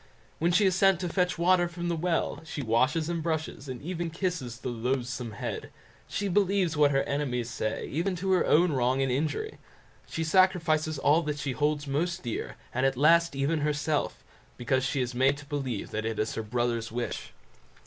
When she is sent to fetch water from the well, she washes and brushes, and even kisses, the loathsome head; she believes what her enemies say, even to her own wrong and injury; she sacrifices all that she holds most dear, and at last even herself, because she is made to believe that it is her brother's wish.